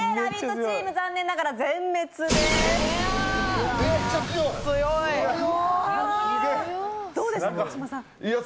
チーム残念ながら全滅です。